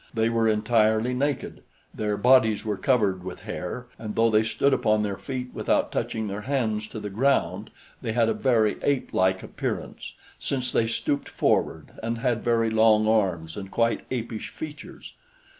They were entirely naked. Their bodies were covered with hair, and though they stood upon their feet without touching their hands to the ground, they had a very ape like appearance, since they stooped forward and had very long arms and quite apish features.